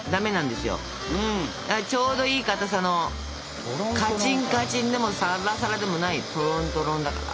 ちょうどいいかたさのカチンカチンでもさらさらでもないトロントロンだから。